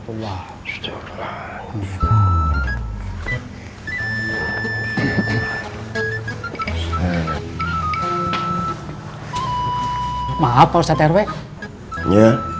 saya ingin menyampaikan sesuatu